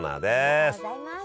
ありがとうございます。